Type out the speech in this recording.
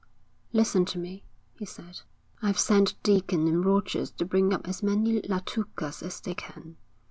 'Listen to me,' he said. 'I've sent Deacon and Rogers to bring up as many Latukas as they can.